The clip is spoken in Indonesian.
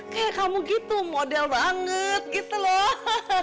kayak kamu gitu model banget gitu loh